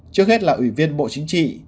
trước hết là ủy viên bộ chính trị